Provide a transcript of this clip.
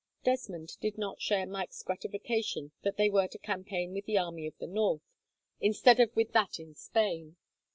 Desmond did not share Mike's gratification that they were to campaign with the army of the north, instead of with that in Spain.